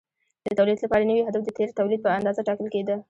د تولید لپاره نوی هدف د تېر تولید په اندازه ټاکل کېده.